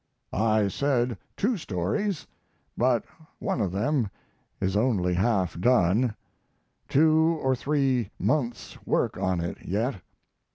I said two stories, but one of them is only half done; two or three months' work on it yet.